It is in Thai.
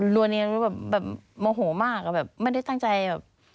วนเนียนแบบโมโหมากอะแบบไม่ได้ตั้งใจแบบ